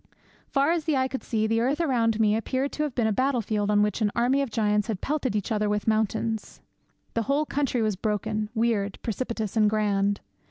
Far as the eye could see, the earth around me appeared to have been a battle field on which an army of giants had pelted each other with mountains. The whole country was broken, weird, precipitous, and grand.